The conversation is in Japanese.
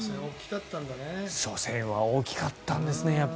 やっぱり初戦は大きかったんですね。